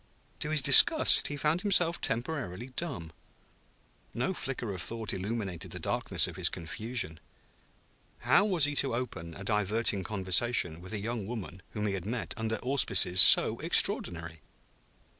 To his disgust he found himself temporarily dumb. No flicker of thought illuminated the darkness of his confusion. How was he to open a diverting conversation with a young woman whom he had met under auspices so extraordinary?